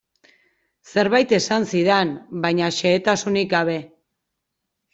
Zerbait esan zidan, baina xehetasunik gabe.